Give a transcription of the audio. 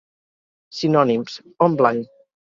Sinònims: om blanc.